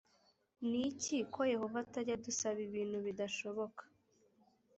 n iki ko yehova atajya adusaba ibintu bidashoboka